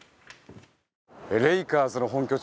レイカーズの本拠地